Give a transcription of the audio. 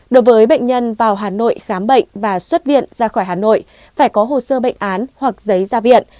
đối với bệnh nhân vào hà nội khám bệnh và xuất viện ra khỏi hà nội phải có hồ sơ bệnh án hoặc giấy ra viện